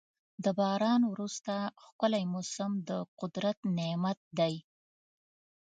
د باران وروسته ښکلی موسم د قدرت نعمت دی.